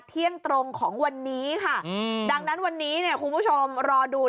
เที่ยงตรงของวันนี้ค่ะดังนั้นวันนี้เนี่ยคุณผู้ชมรอดู